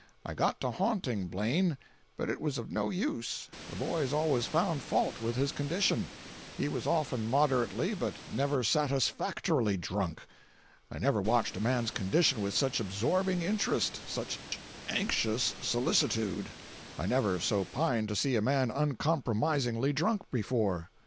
I got to haunting Blaine; but it was of no use, the boys always found fault with his condition; he was often moderately but never satisfactorily drunk. I never watched a man's condition with such absorbing interest, such anxious solicitude; I never so pined to see a man uncompromisingly drunk before.